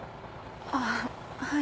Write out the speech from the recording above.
ああはい。